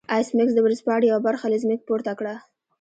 ایس میکس د ورځپاڼې یوه برخه له ځمکې پورته کړه